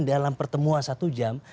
dalam pertemuan satu jam